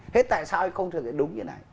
thế tại sao anh không thực hiện đúng như này